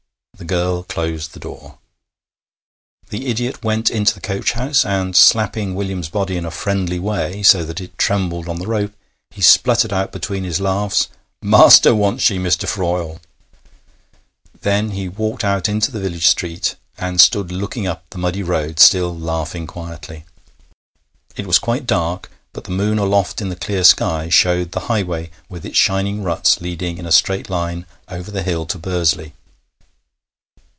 The girl closed the door. The idiot went into the coach house, and, slapping William's body in a friendly way so that it trembled on the rope, he spluttered out between his laughs: 'Master wants ye, Mr. Froyle.' Then he walked out into the village street, and stood looking up the muddy road, still laughing quietly. It was quite dark, but the moon aloft in the clear sky showed the highway with its shining ruts leading in a straight line over the hill to Bursley.